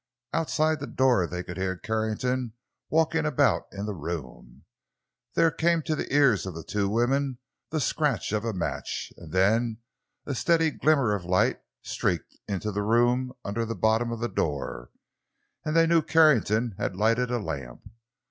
Outside the door they could hear Carrington walking about in the room. There came to the ears of the two women the scratch of a match, and then a steady glimmer of light streaked into the room from the bottom of the door, and they knew Carrington had lighted a lamp.